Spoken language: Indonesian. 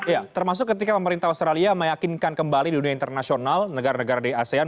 ya termasuk ketika pemerintah australia meyakinkan kembali dunia internasional negara negara di asean